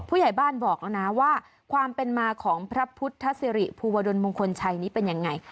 ผู้ใหญ่บ้านบอกแล้วนะว่าความเป็นมาของพระพุทธศิริภูวดลมงคลชัยนี้เป็นยังไง